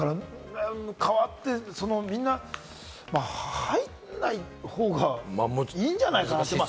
川って、みんな入らない方がいいんじゃないかなって。